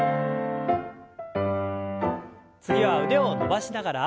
次は腕を伸ばしながら。